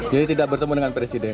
jadi tidak bertemu dengan presiden